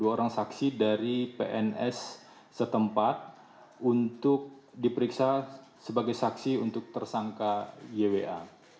dua orang saksi dari pns setempat untuk diperiksa sebagai saksi untuk tersangka ywa